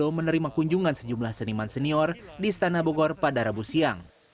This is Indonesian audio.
jokowi menerima kunjungan sejumlah seniman senior di istana bogor pada rabu siang